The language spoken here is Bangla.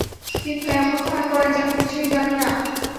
কিন্তু এমন ভান করে যেন কিছুই জানে না।